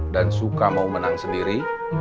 dan suka mau menang sendiri